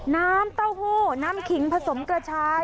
น้ำเต้าหู้น้ำขิงผสมกระชา